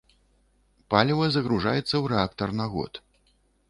Паліва загружаецца ў рэактар на год.